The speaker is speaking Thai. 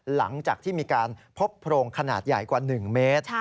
หลังจากที่มีการพบโพรงขนาดใหญ่กว่า๑เมตร